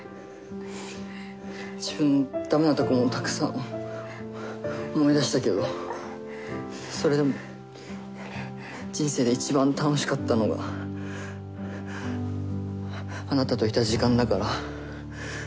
自分のダメなとこもたくさん思い出したけどそれでも人生でいちばん楽しかったのがあなたといた時間だから。